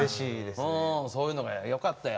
そういうのでよかったよ